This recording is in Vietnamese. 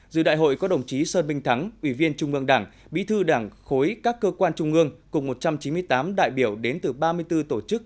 dự đại hội có đồng chí sơn minh thắng ủy viên trung ương đảng bí thư đảng khối các cơ quan trung ương cùng một trăm chín mươi tám đại biểu đến từ ba mươi bốn tổ chức